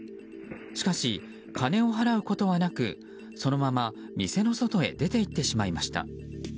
しかし、金を払うことはなくそのまま店の外へ出て行ってしまいました。